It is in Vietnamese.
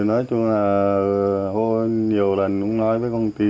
nói chung là hô nhiều lần cũng nói với công ty